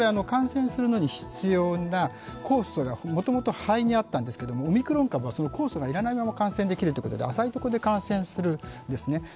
感染するのに必要な酵素がもともと肺にあったんですけど、オミクロン株はその酵素が要らないまま感染するということで浅いところで感染するんですね。